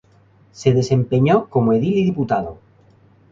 Se desempeñó como edil y diputado.